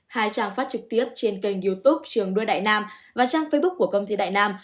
hai trang phát trực tiếp trên kênh youtube trường đua đại nam và trang facebook của công ty đại nam